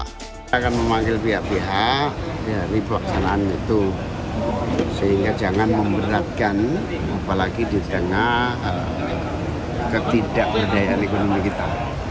kita akan memanggil pihak pihak dari pelaksanaan itu sehingga jangan memberatkan apalagi di tengah ketidakberdayaan ekonomi kita